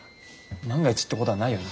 万が一ってことはないよな？